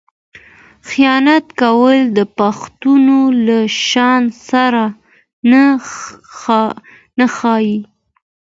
خیانت کول د پښتون له شان سره نه ښايي.